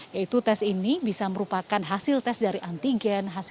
yaitu tes ini bisa merupakan hasil tes dari antigen